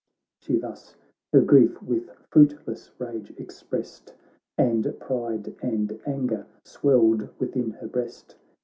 She thus her grief with fruitless rage expressed. And pride and anger swelled within her breast.